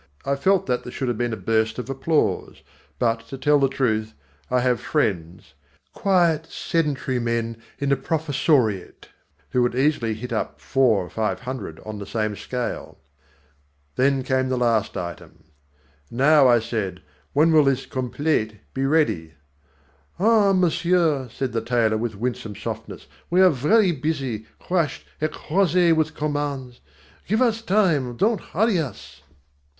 I felt that there should have been a burst of applause. But, to tell the truth, I have friends quiet sedentary men in the professoriate who would easily hit up four or five hundred on the same scale. Then came the last item. "Now," I said, "when will this 'complete' be ready?" "Ah, monsieur," said the tailor, with winsome softness, "we are very busy, crushed, écrasés with commands! Give us time, don't hurry us!"